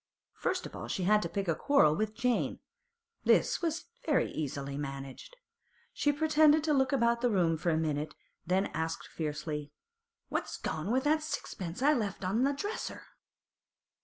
First of all she had to pick a quarrel with Jane; this was very easily managed. She pretended to look about the room for a minute, then asked fiercely: 'What's gone with that sixpence I left on the dresser?